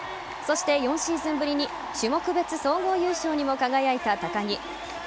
そして、４シーズンぶりに種目別総合優勝にも輝いた高木。